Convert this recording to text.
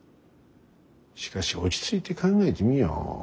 しかし落ち着いて考えてみよ。